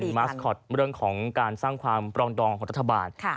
มีมาสคอตเรื่องของการสร้างความปรองดองของรัฐบาล